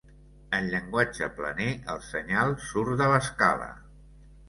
En llenguatge planer, el senyal "surt de l'escala".